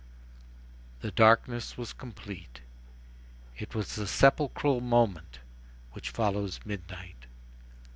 The darkness was complete. It was the sepulchral moment which follows midnight.